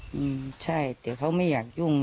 อืมใช่เดี๋ยวเค้าไม่อยากยุ่งไง